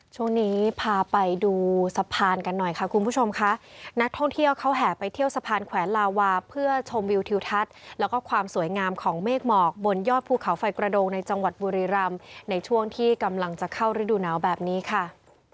ช่วงนี้พาไปดูสะพานกันหน่อยค่ะคุณผู้ชมค่ะนักท่องเที่ยวเขาแห่ไปเที่ยวสะพานแขวนลาวาเพื่อชมวิวทิวทัศน์แล้วก็ความสวยงามของเมฆหมอกบนยอดภูเขาไฟกระโดงในจังหวัดบุรีรำในช่วงที่กำลังจะเข้าฤดูหนาวแบบนี้ค่ะ